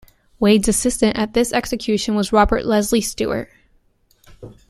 Wade's assistant at this execution was Robert Leslie Stewart.